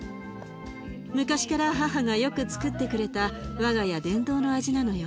昔から母がよくつくってくれた我が家伝統の味なのよ。